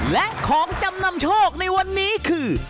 และของจำนำโชคในวันนี้คือ